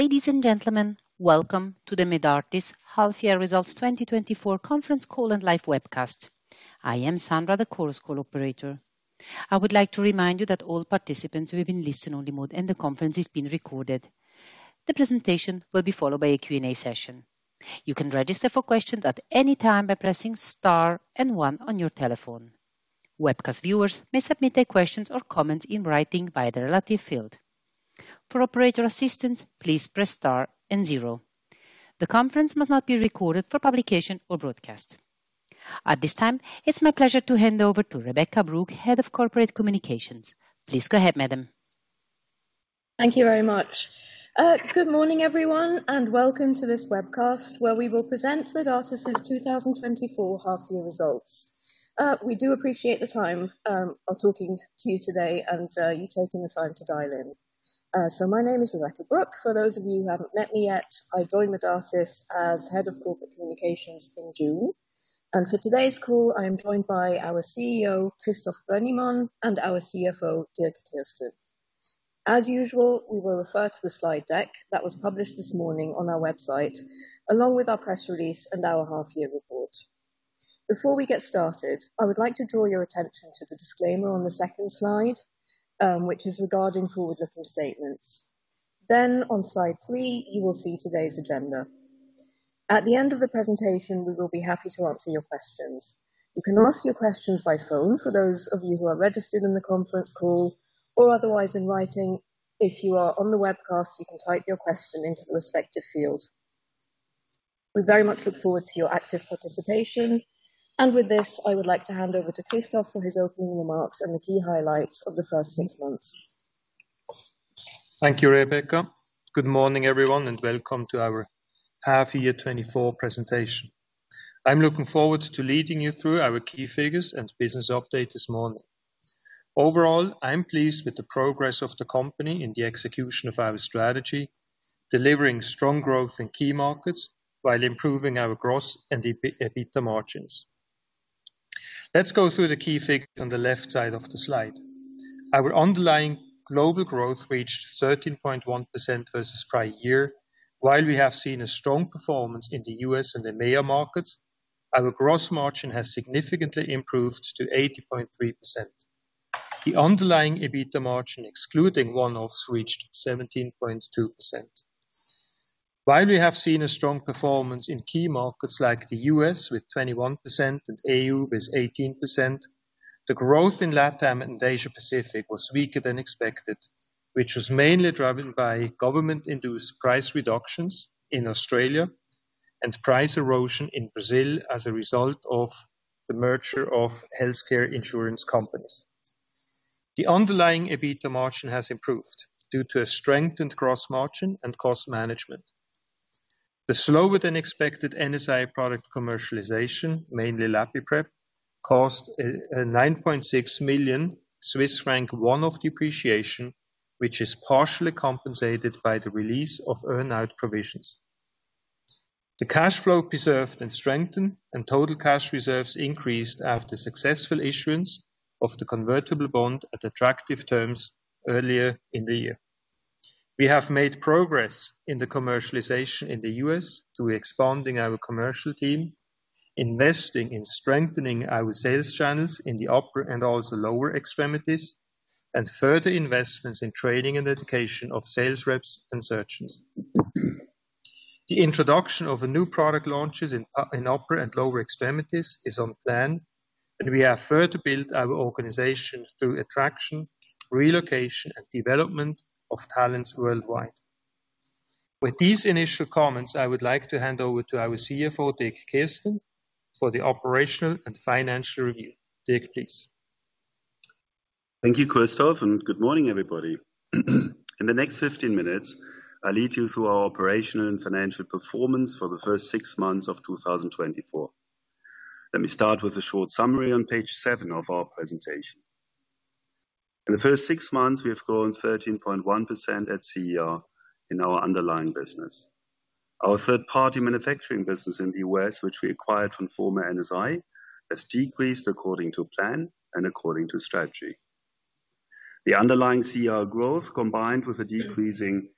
Ladies and gentlemen, welcome to the Medartis Half Year Results twenty twenty-four conference call and live webcast. I am Sandra, the conference call operator. I would like to remind you that all participants will be in listen-only mode, and the conference is being recorded. The presentation will be followed by a Q&A session. You can register for questions at any time by pressing star and one on your telephone. Webcast viewers may submit their questions or comments in writing via the relevant field. For operator assistance, please press star and zero. The conference must not be recorded for publication or broadcast. At this time, it's my pleasure to hand over to Rebecca Brook, Head of Corporate Communications. Please go ahead, madam. Thank you very much. Good morning, everyone, and welcome to this webcast, where we will present Medartis' two thousand and twenty-four half-year results. We do appreciate the time of talking to you today and you taking the time to dial in. So my name is Rebecca Brook. For those of you who haven't met me yet, I joined Medartis as Head of Corporate Communications in June, and for today's call, I am joined by our CEO, Christoph Brönnimann, and our CFO, Dirk Kirsten. As usual, we will refer to the slide deck that was published this morning on our website, along with our press release and our half-year report. Before we get started, I would like to draw your attention to the disclaimer on the second slide, which is regarding forward-looking statements, then on slide three, you will see today's agenda. At the end of the presentation, we will be happy to answer your questions. You can ask your questions by phone, for those of you who are registered in the conference call, or otherwise in writing. If you are on the webcast, you can type your question into the respective field. We very much look forward to your active participation, and with this, I would like to hand over to Christoph for his opening remarks and the key highlights of the first six months. Thank you, Rebecca. Good morning, everyone, and welcome to our half-year 2024 presentation. I'm looking forward to leading you through our key figures and business update this morning. Overall, I'm pleased with the progress of the company in the execution of our strategy, delivering strong growth in key markets while improving our gross and EBITDA margins. Let's go through the key figures on the left side of the slide. Our underlying global growth reached 13.1% versus prior year. While we have seen a strong performance in the U.S. and the major markets, our gross margin has significantly improved to 80.3%. The underlying EBITDA margin, excluding one-offs, reached 17.2%. While we have seen a strong performance in key markets like the U.S., with 21% and AU with 18%, the growth in Latam and Asia Pacific was weaker than expected, which was mainly driven by government-induced price reductions in Australia and price erosion in Brazil as a result of the merger of healthcare insurance companies. The underlying EBITDA margin has improved due to a strengthened gross margin and cost management. The slower-than-expected NSI product commercialization, mainly LapiPrep, cost a nine point six million Swiss franc one-off depreciation, which is partially compensated by the release of earn-out provisions. The cash flow preserved and strengthened, and total cash reserves increased after successful issuance of the convertible bond at attractive terms earlier in the year. We have made progress in the commercialization in the US through expanding our commercial team, investing in strengthening our sales channels in the upper and also lower extremities, and further investments in training and education of sales reps and surgeons. The introduction of a new product launches in upper and lower extremities is on plan, and we have further built our organization through attraction, relocation, and development of talents worldwide. With these initial comments, I would like to hand over to our CFO, Dirk Kirsten, for the operational and financial review. Dirk, please. Thank you, Christoph, and good morning, everybody. In the next fifteen minutes, I'll lead you through our operational and financial performance for the first six months of two thousand and twenty-four. Let me start with a short summary on page seven of our presentation. In the first six months, we have grown 13.1% at CER in our underlying business. Our third-party manufacturing business in the U.S., which we acquired from former NSI, has decreased according to plan and according to strategy. The underlying CER growth, combined with a decreasing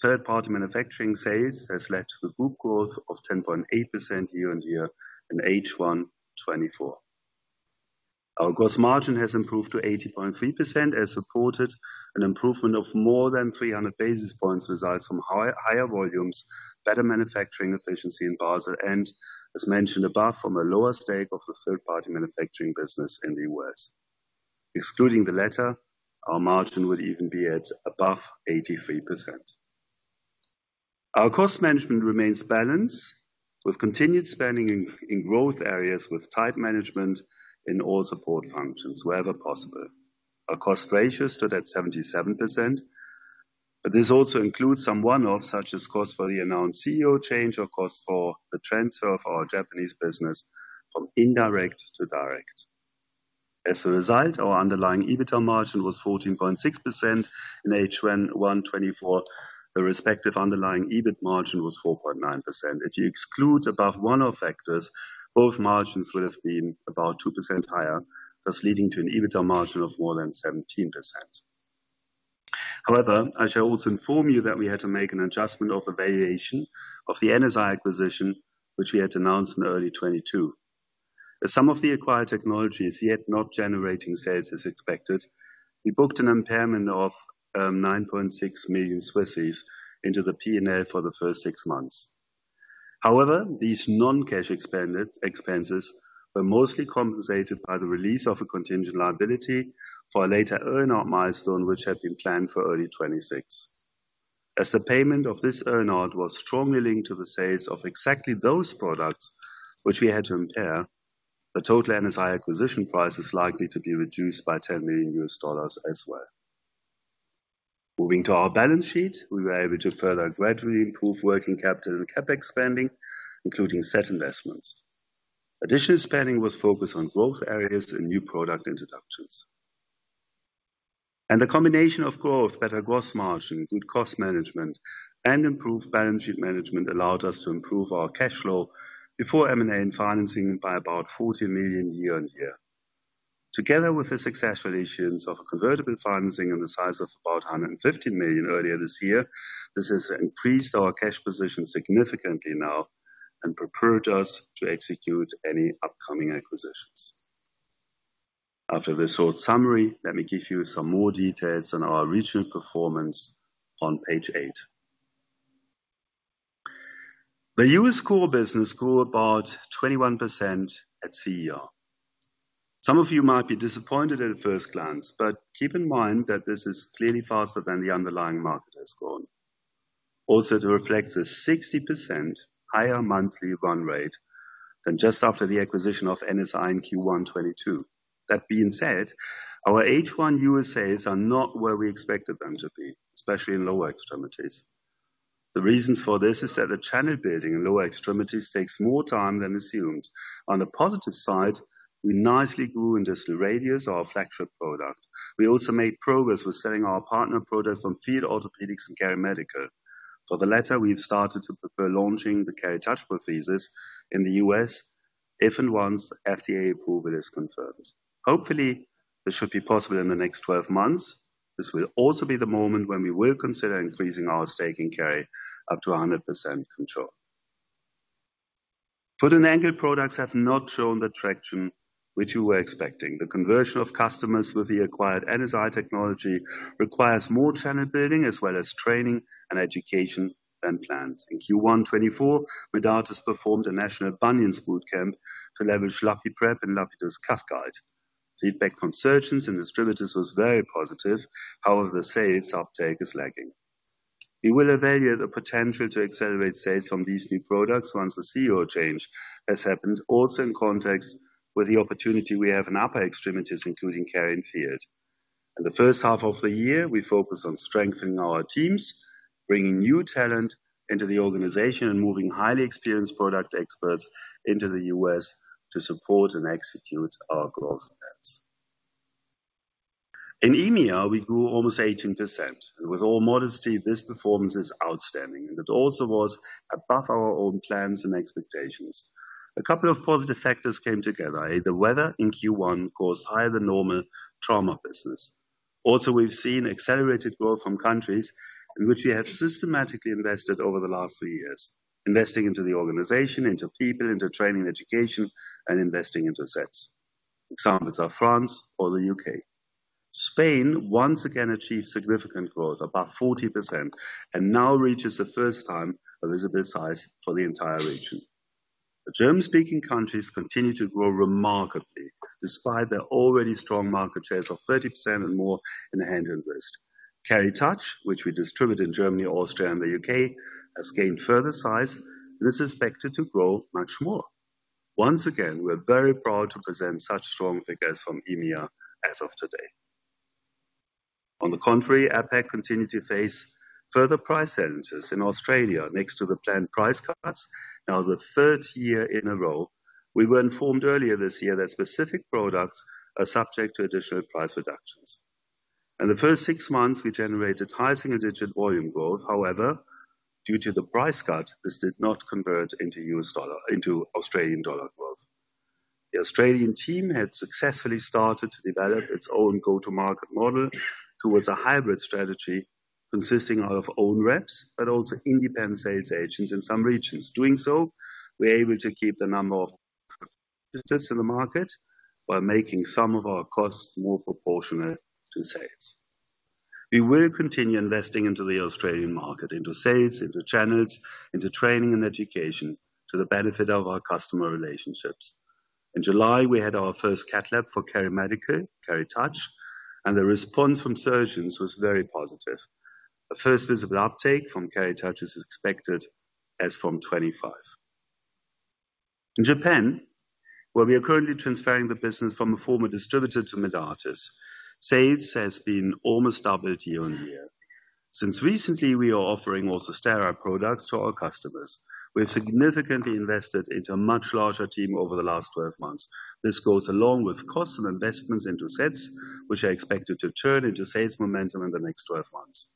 third-party manufacturing sales, has led to the group growth of 10.8% year on year in H1 2024. Our gross margin has improved to 80.3%, as reported, an improvement of more than 300 basis points results from higher volumes, better manufacturing efficiency in Basel, and as mentioned above, from a lower stake of the third-party manufacturing business in the US. Excluding the latter, our margin would even be at above 83%. Our cost management remains balanced, with continued spending in growth areas, with tight management in all support functions wherever possible. Our cost ratio stood at 77%, but this also includes some one-off, such as cost for the announced CEO change or cost for the transfer of our Japanese business from indirect to direct. As a result, our underlying EBITDA margin was 14.6% in H1 2024. The respective underlying EBIT margin was 4.9%. If you exclude above one-off factors, both margins would have been about 2% higher, thus leading to an EBITDA margin of more than 17%. However, I shall also inform you that we had to make an adjustment of the valuation of the NSI acquisition, which we had announced in early 2022. As some of the acquired technologies yet not generating sales as expected, we booked an impairment of 9.6 million CHF into the P&L for the first six months. However, these non-cash expenses were mostly compensated by the release of a contingent liability for a later earn-out milestone, which had been planned for early 2026. As the payment of this earn-out was strongly linked to the sales of exactly those products which we had to impair, the total NSI acquisition price is likely to be reduced by $10 million as well. Moving to our balance sheet, we were able to further gradually improve working capital and CapEx spending, including set investments. Additional spending was focused on growth areas and new product introductions and the combination of growth, better gross margin, good cost management, and improved balance sheet management allowed us to improve our cash flow before M&A and financing by about 40 million year on year. Together with the successful issuance of a convertible financing in the size of about 150 million earlier this year, this has increased our cash position significantly now and prepared us to execute any upcoming acquisitions. After this short summary, let me give you some more details on our regional performance on page 8. The U.S. core business grew about 21% at CER. Some of you might be disappointed at first glance, but keep in mind that this is clearly faster than the underlying market has grown. Also, it reflects a 60% higher monthly run rate than just after the acquisition of NSI in Q1 2022. That being said, our H1 US sales are not where we expected them to be, especially in lower extremities. The reasons for this is that the channel building in lower extremities takes more time than assumed. On the positive side, we nicely grew distal radius, our flagship product. We also made progress with selling our partner products from Field Orthopaedics and KeriMedical. For the latter, we've started to prepare launching the Touch prosthesis in the US if and once FDA approval is confirmed. Hopefully, this should be possible in the next twelve months. This will also be the moment when we will consider increasing our stake in KeriMedical up to 100% control. Foot and ankle products have not shown the traction which we were expecting. The conversion of customers with the acquired NSI technology requires more channel building as well as training and education than planned. In Q1 2024, Medartis performed a National Bunion Bootcamp to leverage LapiPrep and Lapidus Cut Guide. Feedback from surgeons and distributors was very positive. However, the sales uptake is lagging. We will evaluate the potential to accelerate sales on these new products once the CEO change has happened, also in context with the opportunity we have in upper extremities, including KeriMedical and Field. In the first half of the year, we focused on strengthening our teams, bringing new talent into the organization, and moving highly experienced product experts into the U.S. to support and execute our growth plans. In EMEA, we grew almost 18%. With all modesty, this performance is outstanding, and it also was above our own plans and expectations. A couple of positive factors came together. A, the weather in Q1 caused higher than normal trauma business. Also, we've seen accelerated growth from countries in which we have systematically invested over the last three years, investing into the organization, into people, into training and education, and investing into sets. Examples are France or the UK. Spain once again achieved significant growth, about 40%, and now reaches the first time a visible size for the entire region. The German-speaking countries continue to grow remarkably, despite their already strong market shares of 30% and more in hand and wrist. Touch, which we distribute in Germany, Austria, and the U.K., has gained further size and is expected to grow much more. Once again, we're very proud to present such strong figures from EMEA as of today. On the contrary, APAC continued to face further price challenges in Australia next to the planned price cuts, now the third year in a row. We were informed earlier this year that specific products are subject to additional price reductions. In the first six months, we generated high single-digit volume growth. However, due to the price cut, this did not convert into Australian dollar growth. The Australian team had successfully started to develop its own go-to-market model towards a hybrid strategy consisting of own reps, but also independent sales agents in some regions. Doing so, we're able to keep the number of in the market by making some of our costs more proportionate to sales. We will continue investing into the Australian market, into sales, into channels, into training and education to the benefit of our customer relationships. In July, we had our first cadaver lab for KeriMedical, Touch, and the response from surgeons was very positive. The first visible uptake from Touch is expected as from 2025. In Japan, where we are currently transferring the business from a former distributor to Medartis, sales has been almost doubled year on year. Since recently, we are offering also sterile products to our customers. We have significantly invested into a much larger team over the last twelve months. This goes along with costs and investments into sets, which are expected to turn into sales momentum in the next twelve months.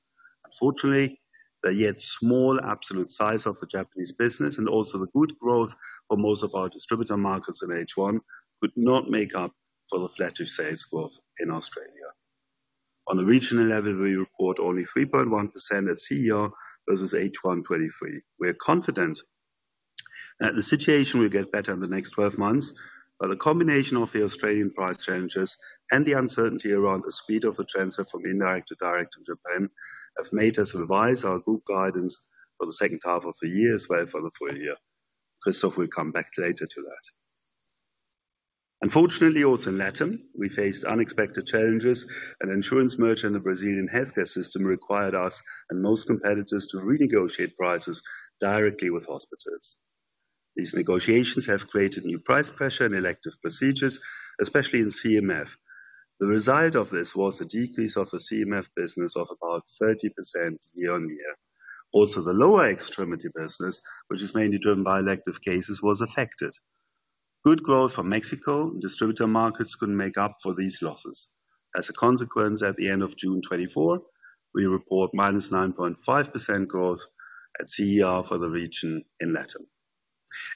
Unfortunately, the yet small absolute size of the Japanese business and also the good growth for most of our distributor markets in H1 could not make up for the flatish sales growth in Australia. On a regional level, we report only 3.1% at CER versus H1 2023. We are confident that the situation will get better in the next twelve months, but the combination of the Australian price challenges and the uncertainty around the speed of the transfer from indirect to direct in Japan have made us revise our group guidance for the second half of the year as well for the full year. Christoph will come back later to that. Unfortunately, also in LATAM, we faced unexpected challenges. An insurance merger in the Brazilian healthcare system required us and most competitors to renegotiate prices directly with hospitals. These negotiations have created new price pressure and elective procedures, especially in CMF. The result of this was a decrease of the CMF business of about 30% year-on-year. Also, the lower extremity business, which is mainly driven by elective cases, was affected. Good growth from Mexico and distributor markets couldn't make up for these losses. As a consequence, at the end of June 2024, we report -9.5% growth at CER for the region in LATAM.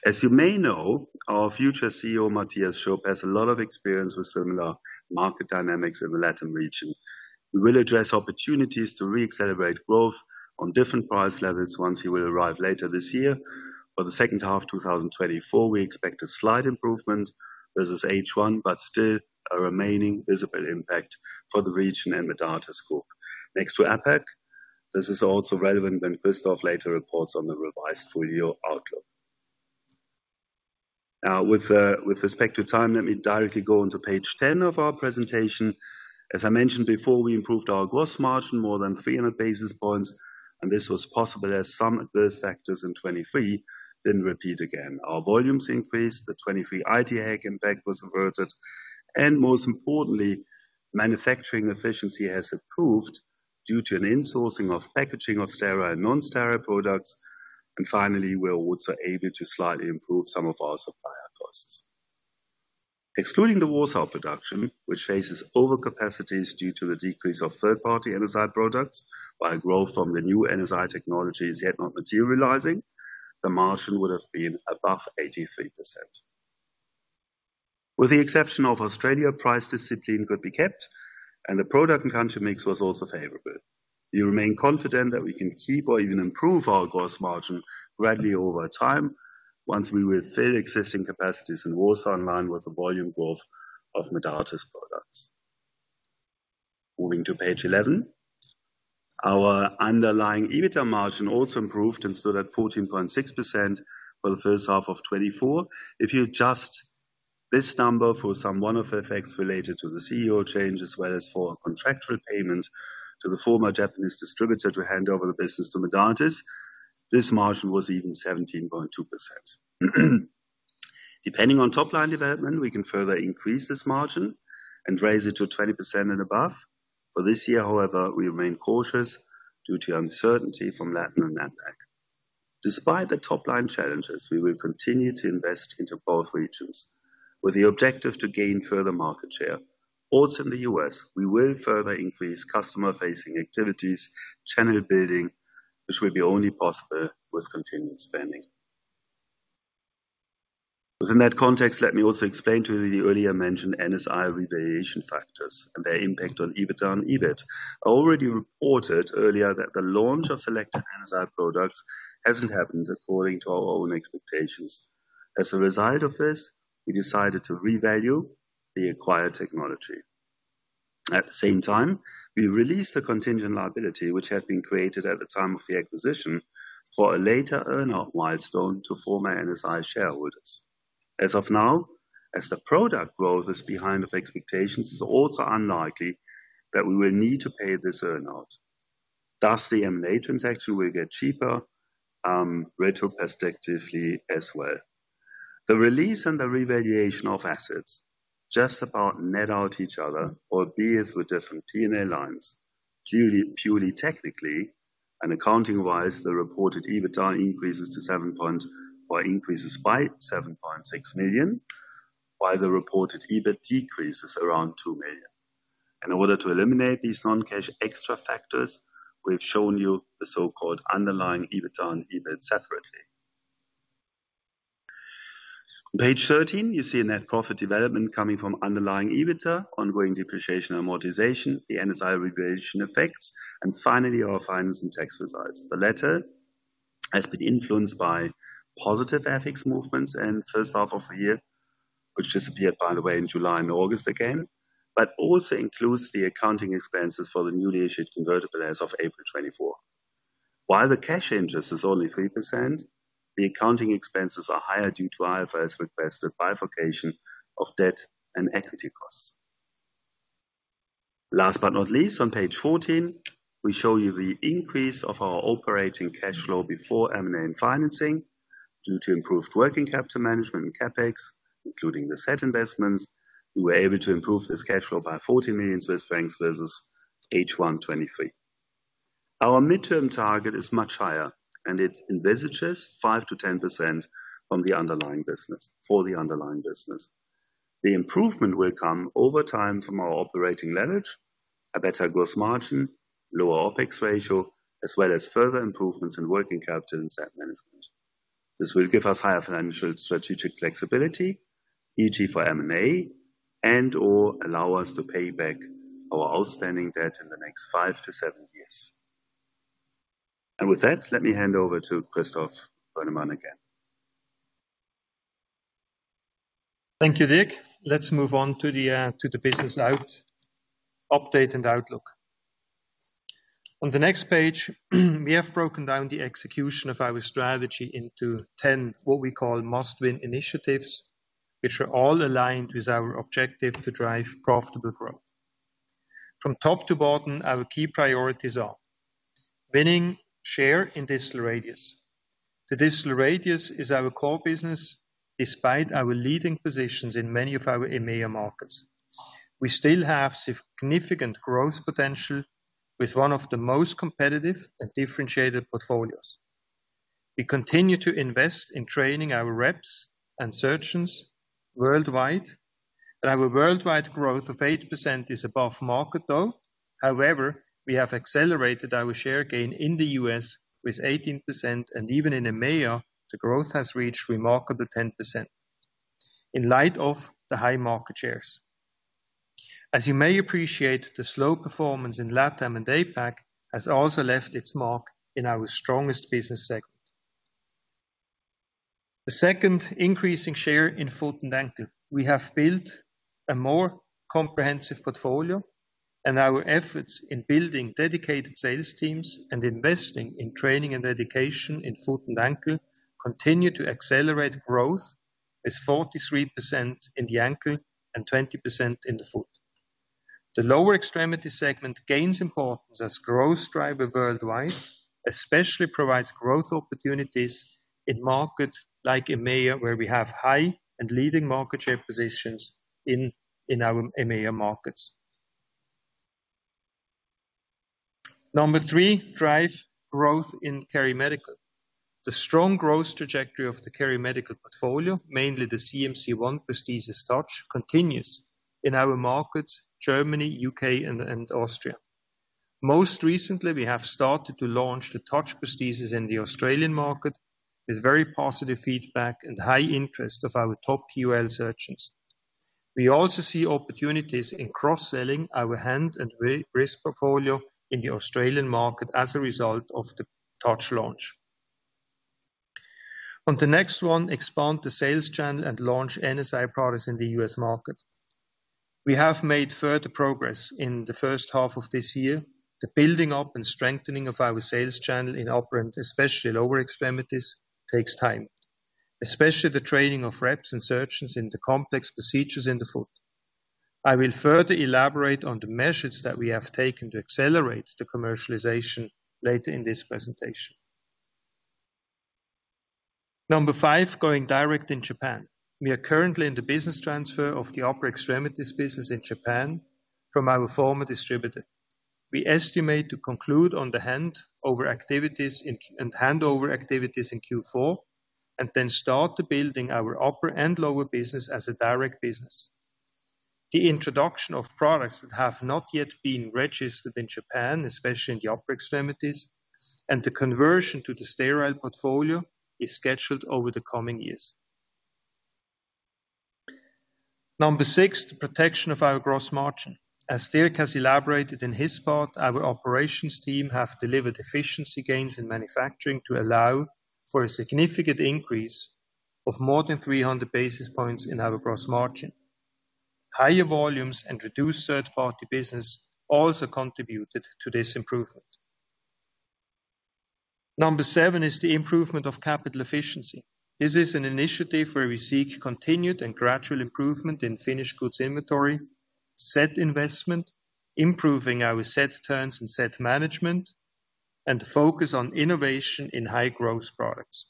As you may know, our future CEO, Matthias Schupp, has a lot of experience with similar market dynamics in the LATAM region. We will address opportunities to re-accelerate growth on different price levels once he will arrive later this year. For the second half two thousand and twenty-four, we expect a slight improvement versus H1, but still a remaining visible impact for the region and Medartis' group. Next to APAC, this is also relevant when Christoph later reports on the revised full year outlook. Now, with respect to time, let me directly go on to page 10 of our presentation. As I mentioned before, we improved our gross margin more than 300 basis points, and this was possible as some adverse factors in 2023 didn't repeat again. Our volumes increased, the 2023 IT impact was averted, and most importantly, manufacturing efficiency has improved due to an insourcing of packaging of sterile and non-sterile products, and finally, we are also able to slightly improve some of our supplier costs. Excluding the Warsaw production, which faces overcapacities due to the decrease of third-party NSI products, while growth from the new NSI technology is yet not materializing, the margin would have been above 83%. With the exception of Australia, price discipline could be kept, and the product and country mix was also favorable. We remain confident that we can keep or even improve our gross margin gradually over time once we will fill existing capacities in Warsaw, in line with the volume growth of Medartis's products. Moving to page 11. Our underlying EBITDA margin also improved and stood at 14.6% for the first half of 2024. If you adjust this number for some one-off effects related to the CEO change, as well as for a contractual payment to the former Japanese distributor to hand over the business to Medartis, this margin was even 17.2%. Depending on top line development, we can further increase this margin and raise it to 20% and above. For this year, however, we remain cautious due to uncertainty from LATAM and APAC. Despite the top-line challenges, we will continue to invest into both regions with the objective to gain further market share. Also, in the US, we will further increase customer-facing activities, channel building, which will be only possible with continued spending. Within that context, let me also explain to you the earlier mentioned NSI revaluation factors and their impact on EBITDA and EBIT. I already reported earlier that the launch of selected NSI products hasn't happened according to our own expectations. As a result of this, we decided to revalue the acquired technology. At the same time, we released the contingent liability, which had been created at the time of the acquisition for a later earn-out milestone to former NSI shareholders. As of now, as the product growth is behind expectations, it's also unlikely that we will need to pay this earn-out. Thus, the M&A transaction will get cheaper, retrospectively as well. The release and the revaluation of assets just about net out each other, albeit with different PNL lines. Purely technically and accounting-wise, the reported EBITDA increases by 7.6 million, while the reported EBIT decreases around 2 million. In order to eliminate these non-cash extra factors, we've shown you the so-called underlying EBITDA and EBIT separately. Page thirteen, you see a net profit development coming from underlying EBITDA, ongoing depreciation and amortization, the NSI revaluation effects, and finally, our finance and tax results. The latter has been influenced by positive FX movements in the first half of the year, which disappeared, by the way, in July and August again, but also includes the accounting expenses for the newly issued convertible as of April 2024. While the cash interest is only 3%, the accounting expenses are higher due to IFRS-requested bifurcation of debt and equity costs. Last but not least, on page fourteen, we show you the increase of our operating cash flow before M&A and financing due to improved working capital management and CapEx, including the site investments. We were able to improve this cash flow by 40 million Swiss francs versus H1 2023. Our midterm target is much higher, and it envisages 5%-10% from the underlying business. The improvement will come over time from our operating leverage, a better gross margin, lower OpEx ratio, as well as further improvements in working capital and asset management. This will give us higher financial strategic flexibility, e.g., for M&A, and or allow us to pay back our outstanding debt in the next five to seven years. And with that, let me hand over to Christoph Brönnimann again. Thank you, Dirk. Let's move on to the business update and outlook. On the next page, we have broken down the execution of our strategy into 10, what we call must-win initiatives, which are all aligned with our objective to drive profitable growth. From top to bottom, our key priorities are: winning share in distal radius. The distal radius is our core business, despite our leading positions in many of our EMEA markets. We still have significant growth potential with one of the most competitive and differentiated portfolios. We continue to invest in training our reps and surgeons worldwide, but our worldwide growth of 8% is above market, though. However, we have accelerated our share gain in the U.S. with 18%, and even in EMEA, the growth has reached remarkable 10% in light of the high market shares. As you may appreciate, the slow performance in LATAM and APAC has also left its mark in our strongest business segment. The second increasing share in foot and ankle. We have built a more comprehensive portfolio, and our efforts in building dedicated sales teams and investing in training and education in foot and ankle continue to accelerate growth. [It] is 43% in the ankle and 20% in the foot. The lower extremity segment gains importance as growth driver worldwide, especially provides growth opportunities in markets like EMEA, where we have high and leading market share positions in our EMEA markets. Number three, drive growth in KeriMedical. The strong growth trajectory of the KeriMedical portfolio, mainly the CMC I prosthesis Touch, continues in our markets, Germany, U.K., and Austria. Most recently, we have started to launch the Touch prosthesis in the Australian market, with very positive feedback and high interest of our top KOL surgeons. We also see opportunities in cross-selling our hand and wrist portfolio in the Australian market as a result of the Touch launch. On the next one, expand the sales channel and launch NSI products in the US market. We have made further progress in the first half of this year. The building up and strengthening of our sales channel in upper and especially lower extremities takes time, especially the training of reps and surgeons in the complex procedures in the foot. I will further elaborate on the measures that we have taken to accelerate the commercialization later in this presentation. Number five, going direct in Japan. We are currently in the business transfer of the upper extremities business in Japan from our former distributor. We estimate to conclude on the handover activities in Q4, and then start building our upper and lower business as a direct business. The introduction of products that have not yet been registered in Japan, especially in the upper extremities, and the conversion to the sterile portfolio, is scheduled over the coming years. Number six, the protection of our gross margin. As Dirk has elaborated in his part, our operations team have delivered efficiency gains in manufacturing to allow for a significant increase of more than three hundred basis points in our gross margin. Higher volumes and reduced third-party business also contributed to this improvement. Number seven is the improvement of capital efficiency. This is an initiative where we seek continued and gradual improvement in finished goods inventory, set investment, improving our set terms and set management, and focus on innovation in high-growth products.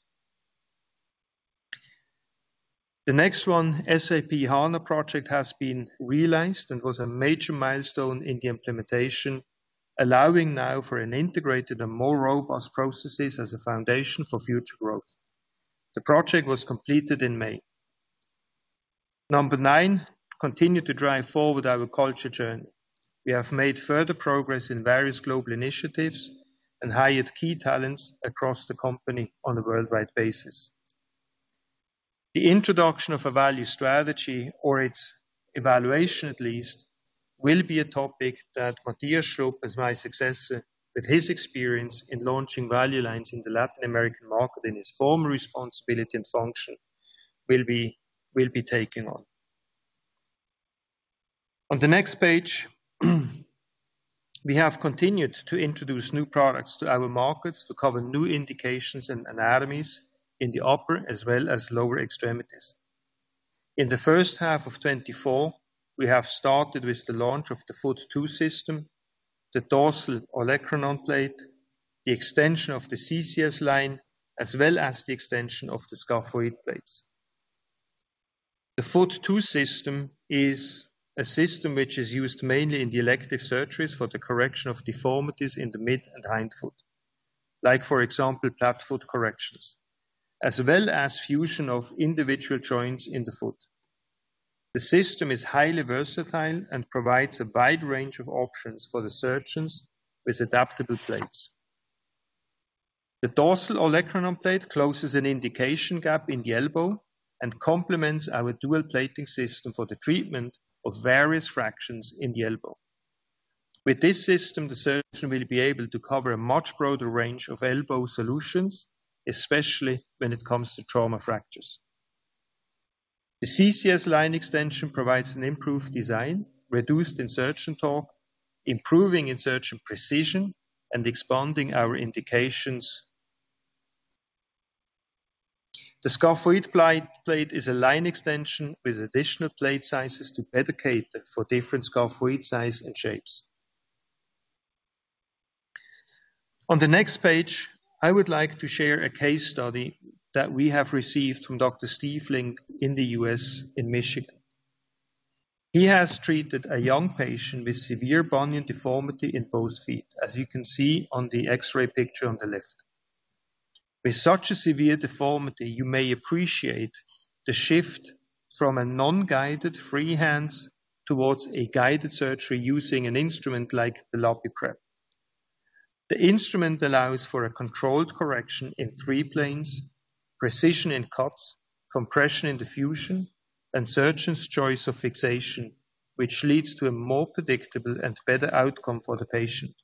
The next one, SAP S/4HANA project, has been realized and was a major milestone in the implementation, allowing now for an integrated and more robust processes as a foundation for future growth. The project was completed in May. Number nine, continue to drive forward our culture journey. We have made further progress in various global initiatives and hired key talents across the company on a worldwide basis. The introduction of a value strategy or its evaluation, at least, will be a topic that Matthias Schupp, as my successor, with his experience in launching value lines in the Latin American market, in his former responsibility and function, will be, will be taking on. On the next page, we have continued to introduce new products to our markets to cover new indications and anatomies in the upper as well as lower extremities. In the first half of twenty-four, we have started with the launch of the Foot 2 System, the Dorsal Olecranon Plate, the extension of the CCS line, as well as the extension of the Scaphoid Plate. The Foot 2 System is a system which is used mainly in the elective surgeries for the correction of deformities in the mid and hindfoot... like, for example, flat foot corrections, as well as fusion of individual joints in the foot. The system is highly versatile and provides a wide range of options for the surgeons with adaptable plates. The Dorsal Olecranon Plate closes an indication gap in the elbow and complements our dual plating system for the treatment of various fractures in the elbow. With this system, the surgeon will be able to cover a much broader range of elbow solutions, especially when it comes to trauma fractures. The CCS line extension provides an improved design, reduced in surgeon torque, improving in surgeon precision, and expanding our indications. The scaphoid plate is a line extension with additional plate sizes to better cater for different scaphoid size and shapes. On the next page, I would like to share a case study that we have received from Dr. Stephen Link in the U.S., in Michigan. He has treated a young patient with severe bunion deformity in both feet, as you can see on the X-ray picture on the left. With such a severe deformity, you may appreciate the shift from a non-guided free hands towards a guided surgery using an instrument like the LapiPrep. The instrument allows for a controlled correction in three planes, precision in cuts, compression in the fusion, and surgeon's choice of fixation, which leads to a more predictable and better outcome for the patient.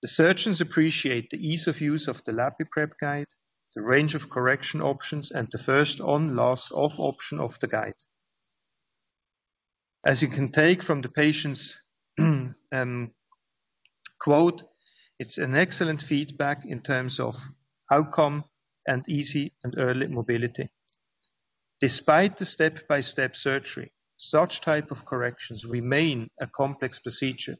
The surgeons appreciate the ease of use of the LapiPrep guide, the range of correction options, and the first-on, last-off option of the guide. As you can take from the patient's quote, it's an excellent feedback in terms of outcome and easy and early mobility. Despite the step-by-step surgery, such type of corrections remain a complex procedure,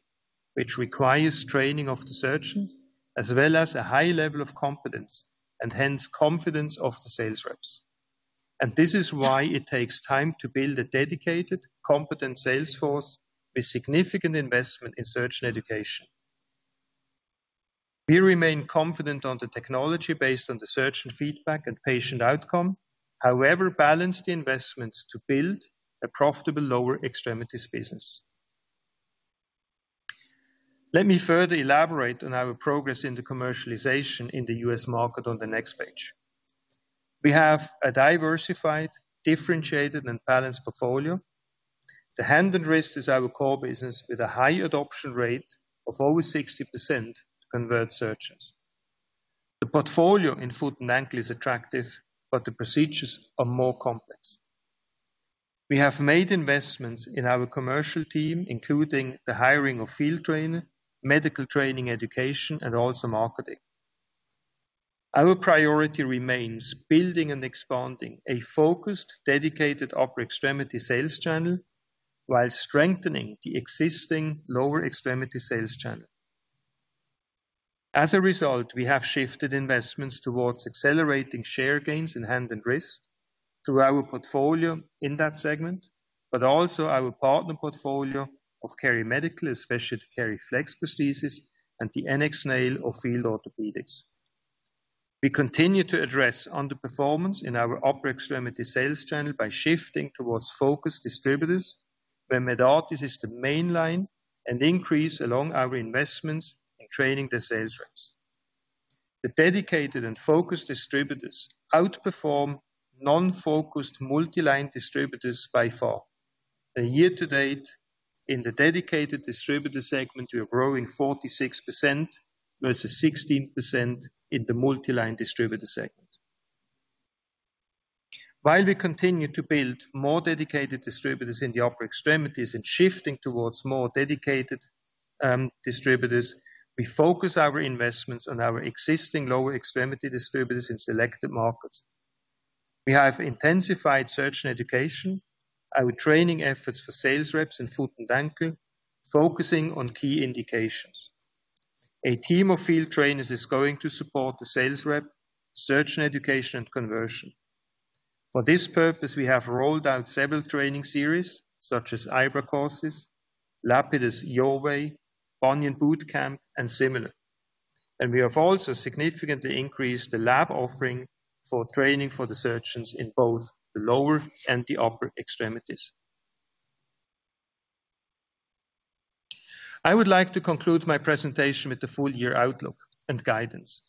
which requires training of the surgeon, as well as a high level of competence, and hence, confidence of the sales reps. This is why it takes time to build a dedicated, competent sales force with significant investment in surgeon education. We remain confident on the technology based on the surgeon feedback and patient outcome. However, balance the investment to build a profitable lower extremities business. Let me further elaborate on our progress in the commercialization in the US market on the next page. We have a diversified, differentiated, and balanced portfolio. The hand and wrist is our core business, with a high adoption rate of over 60% to convert surgeons. The portfolio in foot and ankle is attractive, but the procedures are more complex. We have made investments in our commercial team, including the hiring of field trainer, medical training education, and also marketing. Our priority remains building and expanding a focused, dedicated upper extremity sales channel, while strengthening the existing lower extremity sales channel. As a result, we have shifted investments towards accelerating share gains in hand and wrist through our portfolio in that segment, but also our partner portfolio of KeriMedical, especially the KeriFlex prosthesis and the NX Nail of Field Orthopaedics. We continue to address underperformance in our upper extremity sales channel by shifting towards focused distributors, where Medartis is the mainline, and increase along our investments in training the sales reps. The dedicated and focused distributors outperform non-focused multi-line distributors by far. Year to date, in the dedicated distributor segment, we are growing 46% versus 16% in the multi-line distributor segment. While we continue to build more dedicated distributors in the upper extremities and shifting towards more dedicated, distributors, we focus our investments on our existing lower extremity distributors in selected markets. We have intensified surgeon education, our training efforts for sales reps in foot and ankle, focusing on key indications. A team of field trainers is going to support the sales rep, surgeon education, and conversion. For this purpose, we have rolled out several training series, such as IBRA courses, Lapidus Your Way, Bunion Bootcamp, and similar. We have also significantly increased the lab offering for training for the surgeons in both the lower and the upper extremities. I would like to conclude my presentation with the full year outlook and guidance.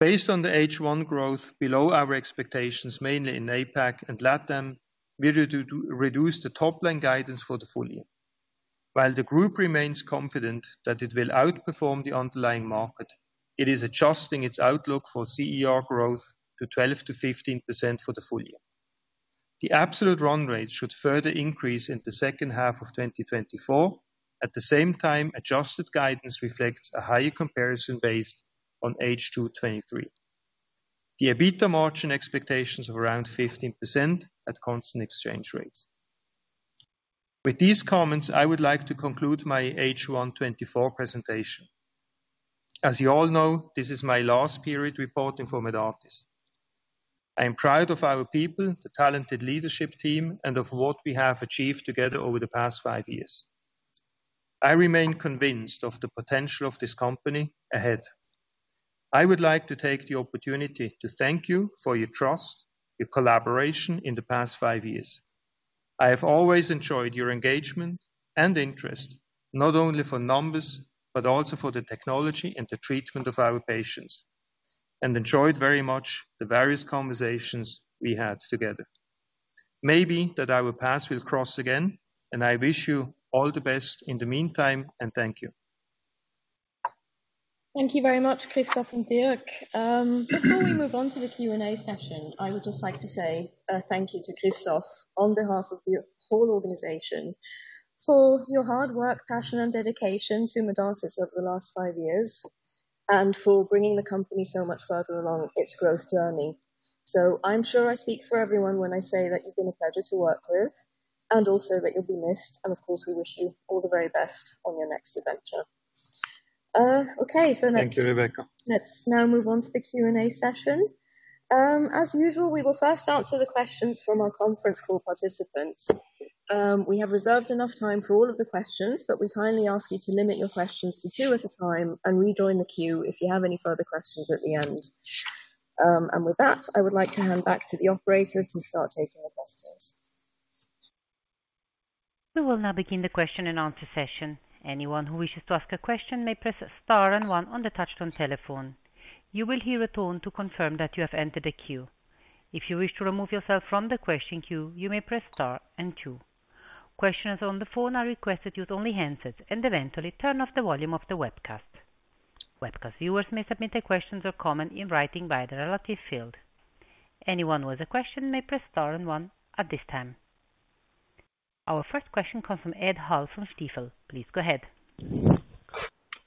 Based on the H1 growth below our expectations, mainly in APAC and LATAM, we reduce the top line guidance for the full year. While the group remains confident that it will outperform the underlying market, it is adjusting its outlook for CER growth to 12%-15% for the full year. The absolute run rate should further increase in the second half of twenty twenty-four. At the same time, adjusted guidance reflects a higher comparison based on H2 2023. The EBITDA margin expectations of around 15% at constant exchange rates. With these comments, I would like to conclude my H1 2024 presentation. As you all know, this is my last period reporting for Medartis. I am proud of our people, the talented leadership team, and of what we have achieved together over the past five years. I remain convinced of the potential of this company ahead. I would like to take the opportunity to thank you for your trust, your collaboration in the past five years. I have always enjoyed your engagement and interest, not only for numbers, but also for the technology and the treatment of our patients, and enjoyed very much the various conversations we had together. Maybe that our paths will cross again, and I wish you all the best in the meantime, and thank you. Thank you very much, Christoph and Dirk. Before we move on to the Q&A session, I would just like to say a thank you to Christoph on behalf of the whole organization, for your hard work, passion, and dedication to Medartis over the last five years, and for bringing the company so much further along its growth journey. So I'm sure I speak for everyone when I say that you've been a pleasure to work with and also that you'll be missed and, of course, we wish you all the very best on your next adventure. Okay, so let's- Thank you, Rebecca. Let's now move on to the Q&A session. As usual, we will first answer the questions from our conference call participants. We have reserved enough time for all of the questions, but we kindly ask you to limit your questions to two at a time and rejoin the queue if you have any further questions at the end. And with that, I would like to hand back to the operator to start taking the questions. We will now begin the question and answer session. Anyone who wishes to ask a question may press Star and One on the touchtone telephone. You will hear a tone to confirm that you have entered the queue. If you wish to remove yourself from the question queue, you may press Star and Two. Questions on the phone are requested to use only handsets and eventually turn off the volume of the webcast. Webcast viewers may submit their questions or comments in writing in the relevant field. Anyone with a question may press Star and One at this time. Our first question comes from Ed Hull from Stifel. Please go ahead.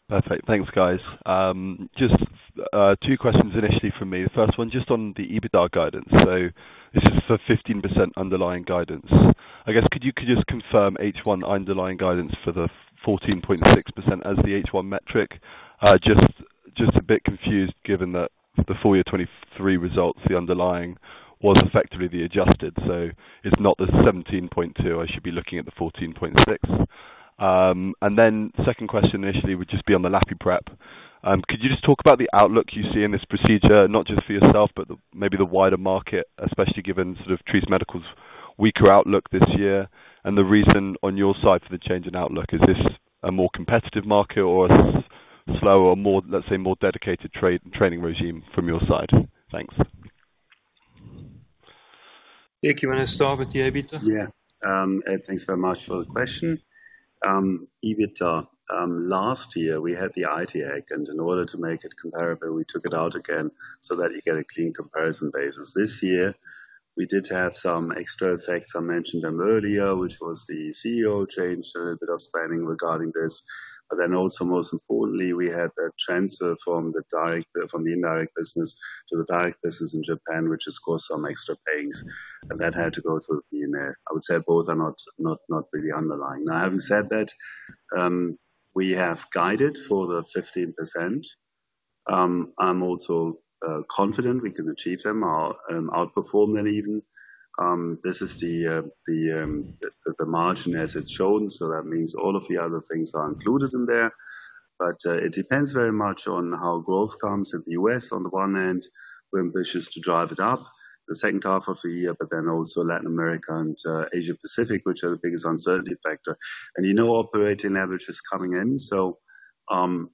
Perfect. Thanks, guys. Just two questions initially from me. The first one, just on the EBITDA guidance. So this is for 15% underlying guidance. I guess, could you just confirm H1 underlying guidance for the 14.6% as the H1 metric? Just a bit confused, given that the full year 2023 results, the underlying was effectively the adjusted, so it's not the 17.2. I should be looking at the 14.6%. And then second question initially would just be on the LapiPrep. Could you just talk about the outlook you see in this procedure, not just for yourself, but maybe the wider market, especially given sort of Treace Medical's weaker outlook this year, and the reason on your side for the change in outlook. Is this a more competitive market or is this slower or more, let's say, more dedicated trade-training regime from your side? Thanks. Dirk, you want to start with the EBITDA? Yeah. Ed, thanks very much for the question. EBITDA, last year we had the IT hack, and in order to make it comparable, we took it out again so that you get a clean comparison basis. This year, we did have some extra effects. I mentioned them earlier, which was the CEO change, a little bit of spending regarding this, but then also, most importantly, we had a transfer from the indirect business to the direct business in Japan, which has caused some extra pains, and that had to go through the email. I would say both are not really underlying. Now, having said that, we have guided for the 15%. I'm also confident we can achieve them or outperform them even. This is the margin as it's shown, so that means all of the other things are included in there. But it depends very much on how growth comes. In the U.S., on the one hand, we're ambitious to drive it up the second half of the year, but then also Latin America and Asia Pacific, which are the biggest uncertainty factor. And, you know, operating leverage is coming in, so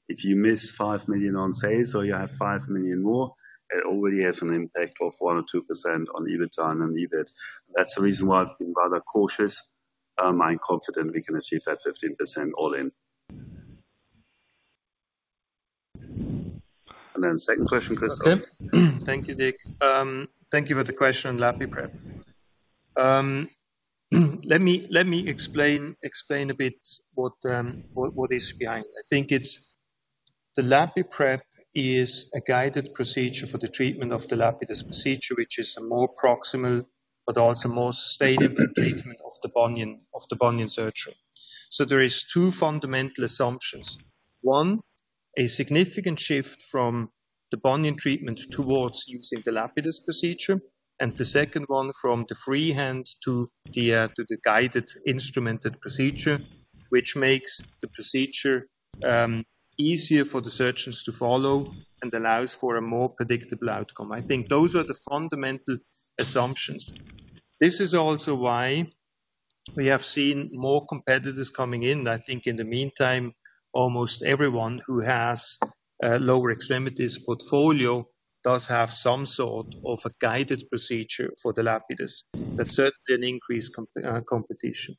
if you miss five million on sales or you have five million more, it already has an impact of 1% or 2% on EBITDA and EBIT. That's the reason why I've been rather cautious. I'm confident we can achieve that 15% all in. And then second question, Christoph. Thank you, Dirk. Thank you for the question on LapiPrep. Let me explain a bit what is behind. I think it's the LapiPrep is a guided procedure for the treatment of the Lapidus procedure, which is a more proximal, but also more sustainable treatment of the bunion surgery. So there is two fundamental assumptions: One, a significant shift from the bunion treatment towards using the Lapidus procedure, and the second one, from the freehand to the guided instrumented procedure, which makes the procedure easier for the surgeons to follow and allows for a more predictable outcome. I think those are the fundamental assumptions. This is also why we have seen more competitors coming in. I think in the meantime, almost everyone who has a lower extremities portfolio does have some sort of a guided procedure for the Lapidus. That's certainly an increased competition.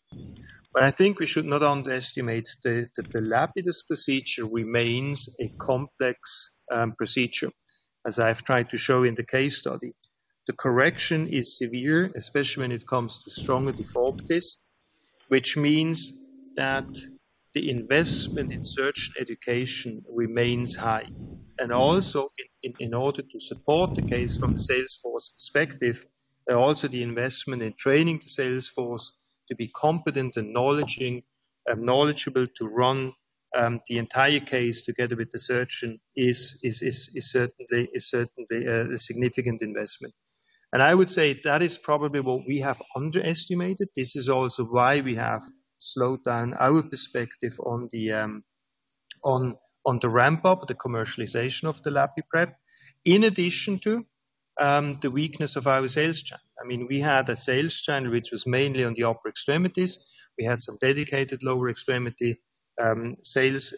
But I think we should not underestimate that the Lapidus procedure remains a complex procedure, as I've tried to show in the case study. The correction is severe, especially when it comes to stronger deformities, which means that the investment in surgeon education remains high. And also, in order to support the case from a salesforce perspective, and also the investment in training the sales force to be competent and knowledgeable to run the entire case together with the surgeon is certainly a significant investment. And I would say that is probably what we have underestimated. This is also why we have slowed down our perspective on the on the ramp-up, the commercialization of the LapiPrep. In addition to the weakness of our sales chain. I mean, we had a sales chain which was mainly on the upper extremities. We had some dedicated lower extremity sales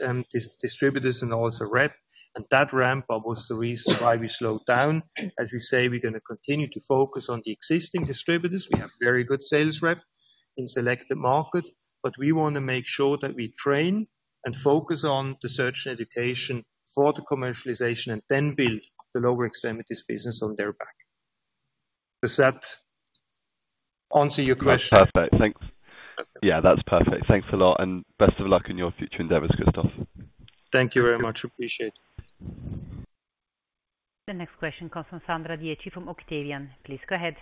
distributors and also rep, and that ramp-up was the reason why we slowed down. As we say, we're gonna continue to focus on the existing distributors. We have very good sales rep in selected market, but we wanna make sure that we train and focus on the surgeon education for the commercialization and then build the lower extremities business on their back. Does that answer your question? That's perfect. Thanks. Okay. Yeah, that's perfect. Thanks a lot, and best of luck in your future endeavors, Christoph. Thank you very much. Appreciate it. The next question comes from Sandra Viechi from Octavian. Please, go ahead.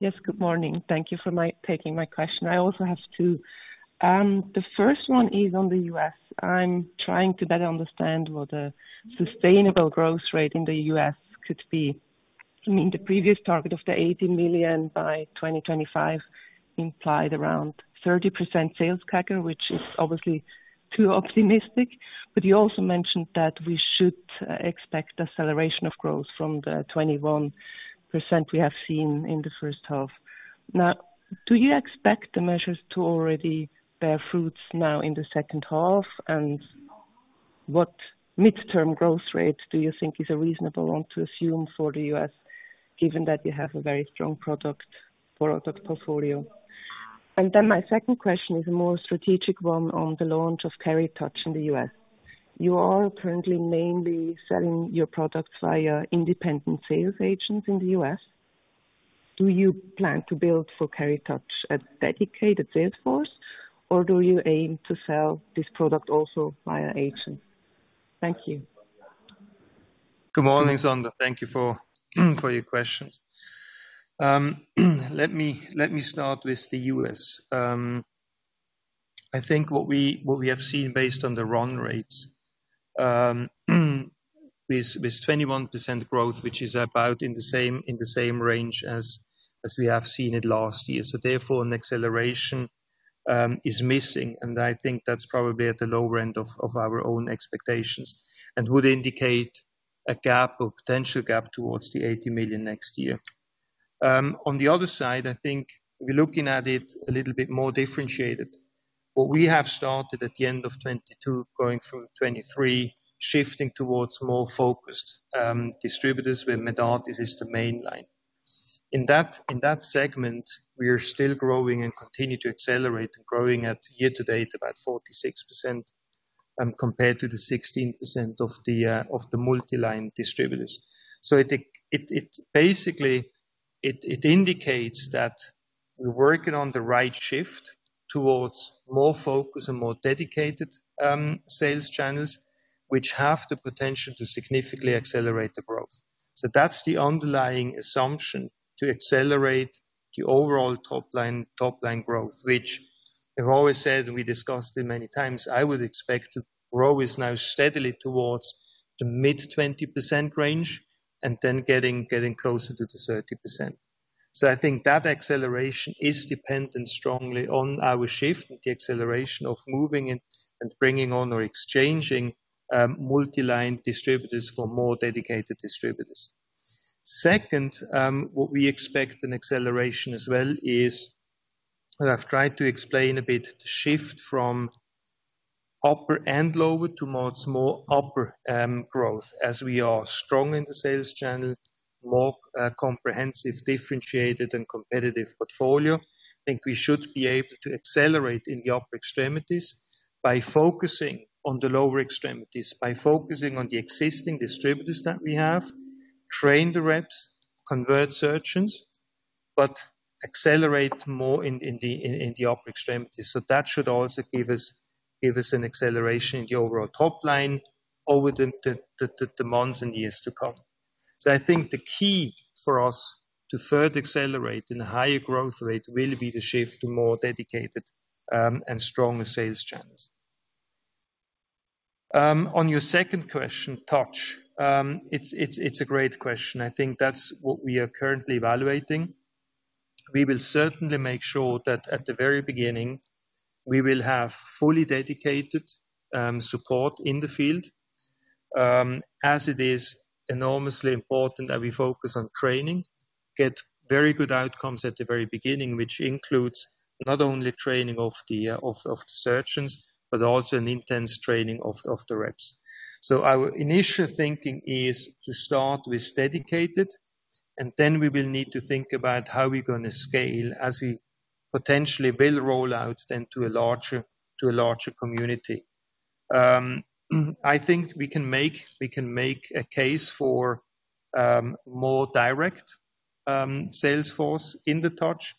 Yes, good morning. Thank you for taking my question. I also have two. The first one is on the US. I'm trying to better understand what a sustainable growth rate in the US could be. I mean, the previous target of the eighty million by 2025 implied around 30% sales CAGR, which is obviously too optimistic. But you also mentioned that we should expect acceleration of growth from the 21% we have seen in the first half. Now, do you expect the measures to already bear fruits now in the second half? And what midterm growth rate do you think is a reasonable one to assume for the US, given that you have a very strong product portfolio? And then my second question is a more strategic one on the launch of KeriTouch in the US. You are currently mainly selling your products via independent sales agents in the U.S. Do you plan to build for KeriTouch a dedicated sales force, or do you aim to sell this product also via agent? Thank you. Good morning, Sandra. Thank you for your questions. Let me start with the U.S. I think what we have seen based on the run rates with 21% growth, which is about in the same range as we have seen it last year. So therefore, an acceleration is missing, and I think that's probably at the lower end of our own expectations, and would indicate a gap or potential gap towards the 80 million next year. On the other side, I think we're looking at it a little bit more differentiated. What we have started at the end of 2022, going through 2023, shifting towards more focused distributors, where Medartis is the main line. In that segment, we are still growing and continue to accelerate, and growing year-to-date about 46%, compared to the 16% of the multi-line distributors. So it basically indicates that we're working on the right shift towards more focus and more dedicated sales channels, which have the potential to significantly accelerate the growth. So that's the underlying assumption, to accelerate the overall top line, top line growth, which I've always said, and we discussed it many times, I would expect to grow is now steadily towards the mid-20% range and then getting closer to the 30%. So I think that acceleration is dependent strongly on our shift, the acceleration of moving and bringing on or exchanging multi-line distributors for more dedicated distributors. Second, what we expect an acceleration as well is, and I've tried to explain a bit, the shift from upper and lower towards more upper growth. As we are strong in the sales channel, more comprehensive, differentiated and competitive portfolio. I think we should be able to accelerate in the upper extremities by focusing on the lower extremities, by focusing on the existing distributors that we have, train the reps, convert surgeons, but accelerate more in the upper extremities. So that should also give us an acceleration in the overall top line over the months and years to come. So I think the key for us to further accelerate in a higher growth rate will be the shift to more dedicated and stronger sales channels. On your second question, Touch. It's a great question. I think that's what we are currently evaluating. We will certainly make sure that at the very beginning, we will have fully dedicated support in the field, as it is enormously important that we focus on training, get very good outcomes at the very beginning, which includes not only training of the surgeons, but also an intense training of the reps. So our initial thinking is to start with dedicated, and then we will need to think about how we're gonna scale as we potentially will roll out then to a larger community. I think we can make a case for more direct sales force in the Touch.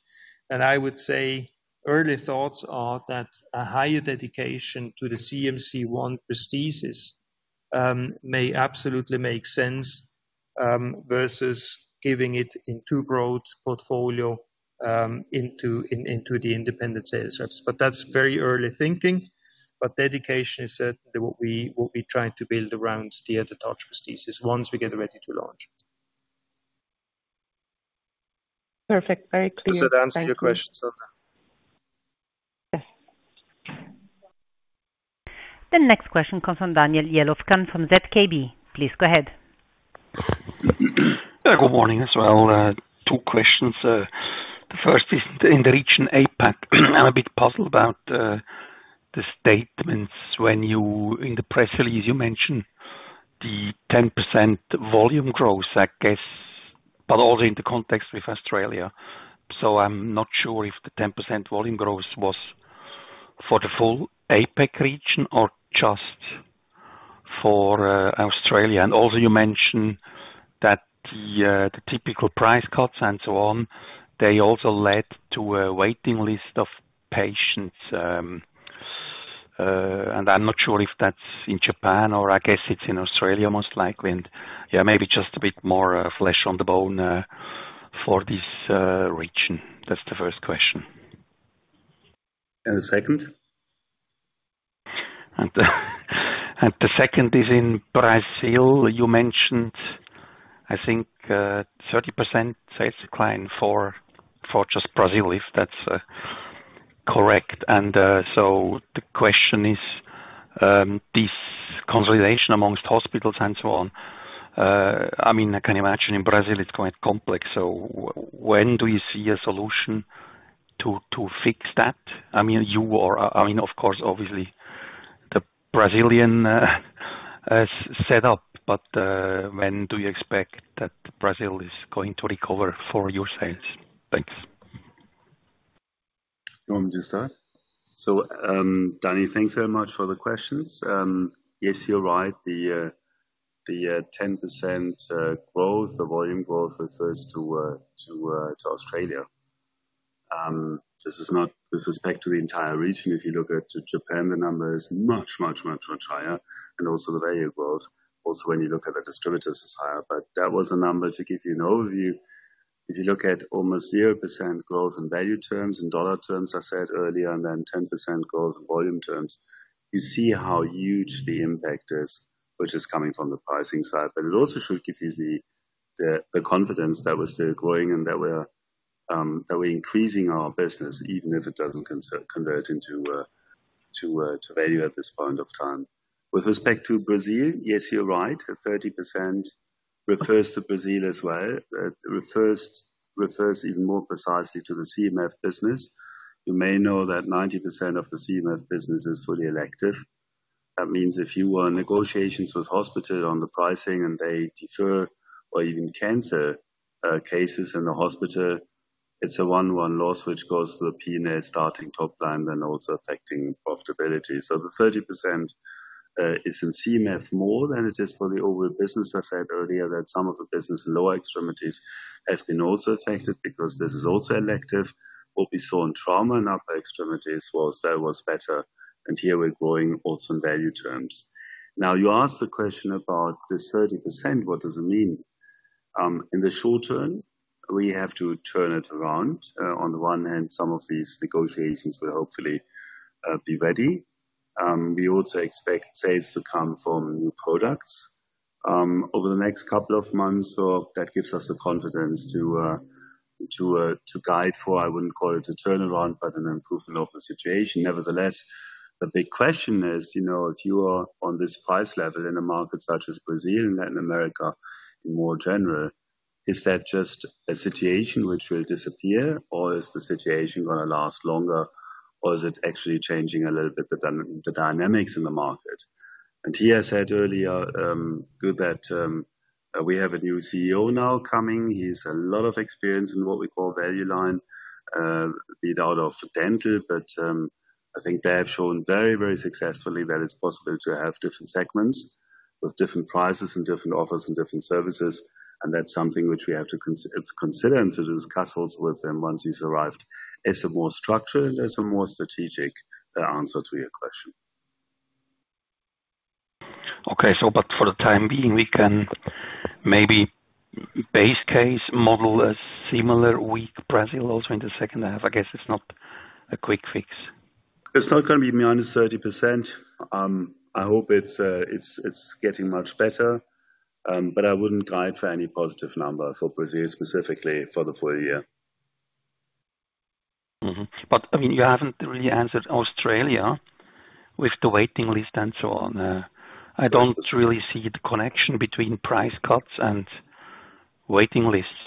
And I would say early thoughts are that a higher dedication to the CMC I prosthesis-... may absolutely make sense versus giving it in too broad portfolio into the independent sales reps. But that's very early thinking, but dedication is certainly what we'll be trying to build around the other Touch prosthesis once we get ready to launch. Perfect. Very clear. Does that answer your question, Sonia? Yes. The next question comes from Daniel Jelovcan from ZKB. Please go ahead. Good morning as well. Two questions. The first is in the region APAC. I'm a bit puzzled about the statements when you in the press release, you mentioned the 10% volume growth, I guess, but also in the context with Australia. So I'm not sure if the 10% volume growth was for the full APAC region or just for Australia. And also you mentioned that the typical price cuts and so on, they also led to a waiting list of patients, and I'm not sure if that's in Japan or I guess it's in Australia, most likely. And yeah, maybe just a bit more flesh on the bone for this region. That's the first question. The second? The second is in Brazil. You mentioned, I think, 30% sales decline for just Brazil, if that's correct. The question is this consolidation amongst hospitals and so on. I mean, I can imagine in Brazil it's quite complex. When do you see a solution to fix that? I mean, you are, I mean, of course, obviously the Brazilian set up, but when do you expect that Brazil is going to recover for your sales? Thanks. You want me to start? So, Danny, thanks very much for the questions. Yes, you're right. The ten percent growth, the volume growth, refers to Australia. This is not with respect to the entire region. If you look at Japan, the number is much higher, and also the value growth. Also, when you look at the distributors is higher. But that was a number to give you an overview. If you look at almost 0% growth in value terms, in dollar terms, I said earlier, and then 10% growth in volume terms, you see how huge the impact is, which is coming from the pricing side. But it also should give you the confidence that we're still growing and that we're increasing our business, even if it doesn't convert into value at this point of time. With respect to Brazil, yes, you're right. The 30% refers to Brazil as well. It refers even more precisely to the CMF business. You may know that 90% of the CMF business is fully elective. That means if you are in negotiations with hospital on the pricing and they defer or even cancel cases in the hospital, it's a one-to-one loss, which goes to the P&L starting top line and also affecting profitability. So the 30% is in CMF more than it is for the overall business. I said earlier that some of the business in lower extremities has been also affected because this is also elective. What we saw in trauma and upper extremities was that it was better, and here we're growing also in value terms. Now, you asked the question about this 30%, what does it mean? In the short term, we have to turn it around. On the one hand, some of these negotiations will hopefully be ready. We also expect sales to come from new products over the next couple of months, so that gives us the confidence to guide for, I wouldn't call it a turnaround, but an improvement of the situation. Nevertheless, the big question is, you know, if you are on this price level in a market such as Brazil and Latin America, in more general, is that just a situation which will disappear, or is the situation going to last longer, or is it actually changing a little bit the dynamics in the market? And Dirk said earlier, good that we have a new CEO now coming. He has a lot of experience in what we call value line, be out of dental, but I think they have shown very, very successfully that it's possible to have different segments with different prices and different offers and different services, and that's something which we have to consider and to discuss also with him once he's arrived. It's a more structured, it's a more strategic, the answer to your question. Okay. So, but for the time being, we can maybe base case model a similar weak Brazil also in the second half. I guess it's not a quick fix. It's not going to be -30%. I hope it's getting much better, but I wouldn't guide for any positive number for Brazil, specifically for the full year. But, I mean, you haven't really answered Australia with the waiting list and so on. I don't really see the connection between price cuts and waiting lists.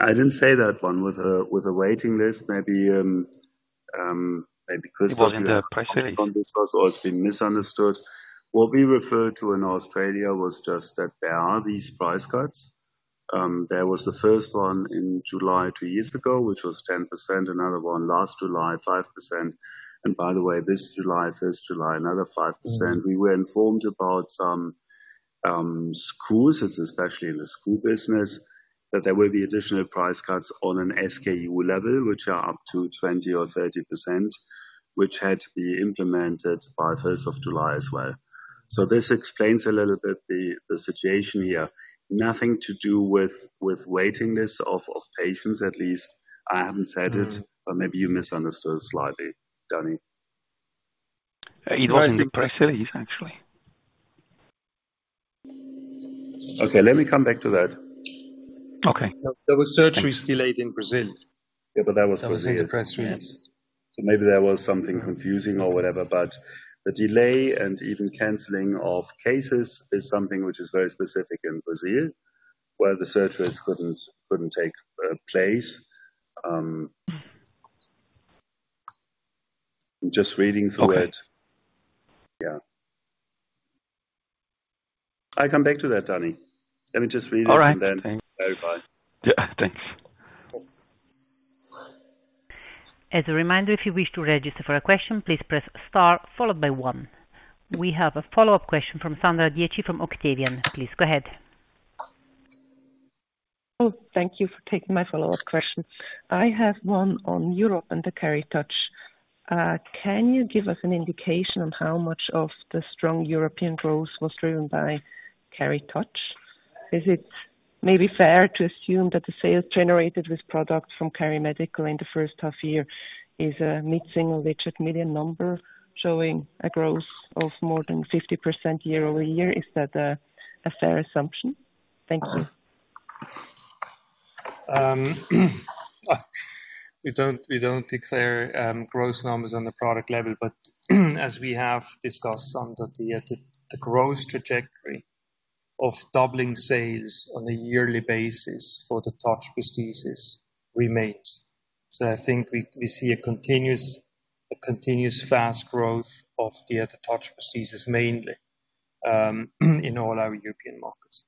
I didn't say that one with a waiting list. Maybe because- It was in the press release. Or it's been misunderstood. What we referred to in Australia was just that there are these price cuts. There was the first one in July two years ago, which was 10%, another one last July, 5%. And by the way, this July, first of July, another 5%. We were informed about some SKUs. It's especially in the SKU business that there will be additional price cuts on an SKU level, which are up to 20% or 30%, which had to be implemented by first of July as well. So this explains a little bit the situation here. Nothing to do with waiting lists of patients at least. I haven't said it, but maybe you misunderstood slightly, Danny. It was in Brazil, actually. Okay, let me come back to that. Okay. There were surgeries delayed in Brazil. Yeah, but that was Brazil. That was in the press release. So maybe there was something confusing or whatever, but the delay and even canceling of cases is something which is very specific in Brazil, where the surgeries couldn't take place. Just reading through it. Okay. Yeah. I come back to that, Danny. Let me just read it- All right. and then verify. Yeah, thanks. As a reminder, if you wish to register for a question, please press Star followed by one. We have a follow-up question from Sandra Dietschy from Octavian. Please, go ahead. Oh, thank you for taking my follow-up question. I have one on Europe and the Keri Touch. Can you give us an indication on how much of the strong European growth was driven by Keri Touch? Is it maybe fair to assume that the sales generated with product from KeriMedical in the first half year is a mid-single-digit million number, showing a growth of more than 50% year over year? Is that a fair assumption? Thank you. We don't declare growth numbers on the product level, but as we have discussed, the growth trajectory of doubling sales on a yearly basis for the Touch prosthesis remains. So I think we see a continuous fast growth of the Touch prosthesis mainly in all our European markets.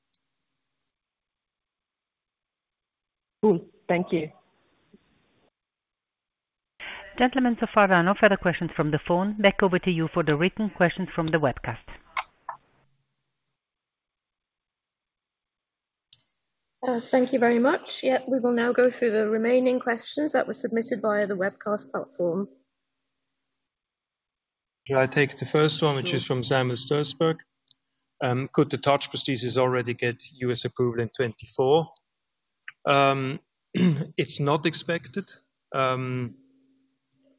Cool. Thank you. Gentlemen, so far, no further questions from the phone. Back over to you for the written questions from the webcast. Thank you very much. Yeah, we will now go through the remaining questions that were submitted via the webcast platform. Can I take the first one, which is from Samuel Stursberg? Could the Touch prosthesis already get U.S. approval in twenty-four? It's not expected.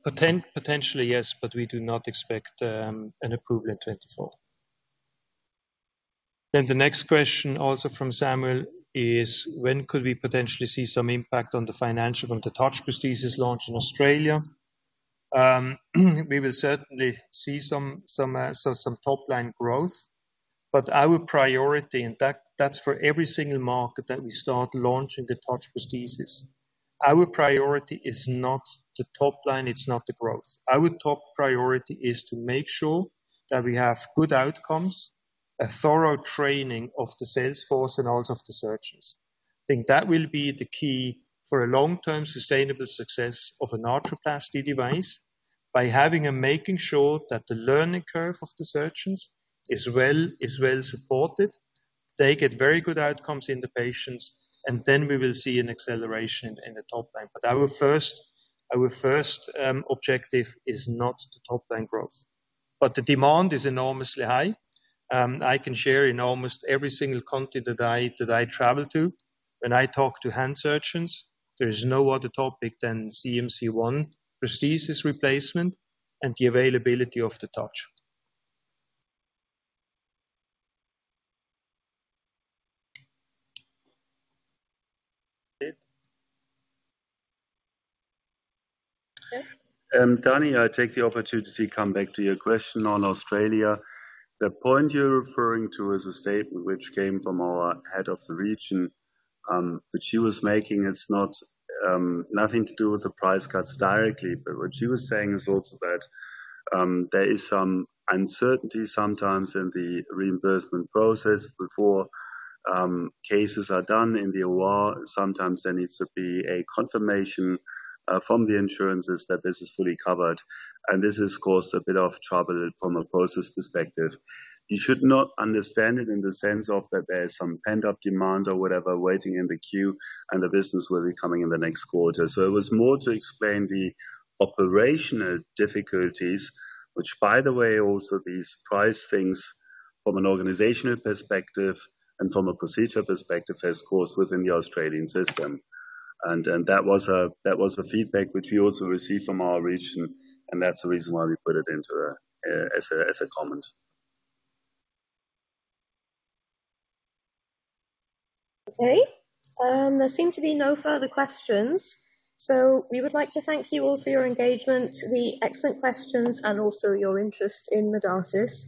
Potentially, yes, but we do not expect an approval in twenty-four, then the next question, also from Samuel, is: When could we potentially see some impact on the financial from the Touch prosthesis launch in Australia? We will certainly see some top line growth, but our priority, in fact, that's for every single market that we start launching the Touch prosthesis. Our priority is not the top line, it's not the growth. Our top priority is to make sure that we have good outcomes, a thorough training of the sales force and also of the surgeons. I think that will be the key for a long-term sustainable success of an arthroplasty device, by having and making sure that the learning curve of the surgeons is well supported. They get very good outcomes in the patients, and then we will see an acceleration in the top line. But our first objective is not the top line growth, but the demand is enormously high. I can share in almost every single country that I travel to, when I talk to hand surgeons, there is no other topic than CMC I prosthesis replacement and the availability of the Touch. Danny, I take the opportunity to come back to your question on Australia. The point you're referring to is a statement which came from our head of the region that she was making. It's not... Nothing to do with the price cuts directly, but what she was saying is also that there is some uncertainty sometimes in the reimbursement process before cases are done in the OR. Sometimes there needs to be a confirmation from the insurances that this is fully covered, and this has caused a bit of trouble from a process perspective. You should not understand it in the sense of that there is some pent-up demand or whatever, waiting in the queue, and the business will be coming in the next quarter. So it was more to explain the operational difficulties, which, by the way, also these price things from an organizational perspective and from a procedural perspective, has caused within the Australian system. And that was a feedback which we also received from our region, and that's the reason why we put it into a, as a comment. Okay. There seem to be no further questions. So we would like to thank you all for your engagement, the excellent questions, and also your interest in Medartis.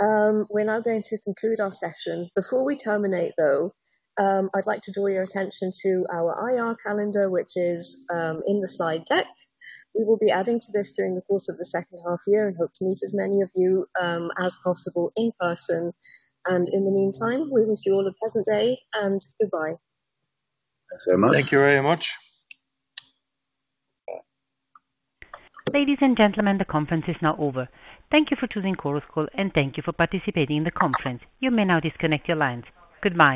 We're now going to conclude our session. Before we terminate, though, I'd like to draw your attention to our IR calendar, which is, in the slide deck. We will be adding to this during the course of the second half year, and hope to meet as many of you, as possible in person. And in the meantime, we wish you all a pleasant day, and goodbye. Thanks so much. Thank you very much. Ladies and gentlemen, the conference is now over. Thank you for choosing Chorus Call, and thank you for participating in the conference. You may now disconnect your lines. Goodbye.